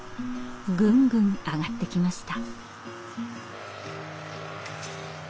ぐんぐん上がってきました。